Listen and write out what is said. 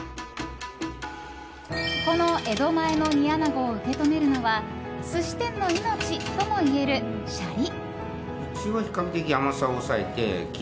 この江戸前の煮穴子を受け止めるのは寿司店の命ともいえる、シャリ！